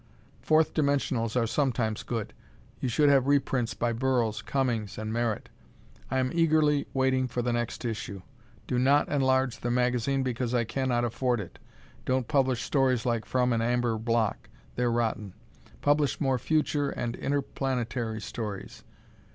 Fourth dimensionals are sometimes good. You should have reprints by Burroughs, Cummings and Merritt. I am eagerly waiting for the next issue. Do not enlarge the magazine because I cannot afford it. Don't publish stories like "From an Amber Block." They're rotten. Publish more future and interplanetary stories.